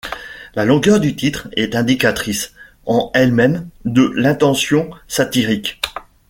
La longueur du titre est indicatrice, en elle-même, de l’intention satirique.